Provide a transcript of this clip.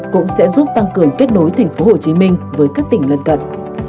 cũng sẽ giúp tăng cường kết nối tp hcm với các tỉnh lân cận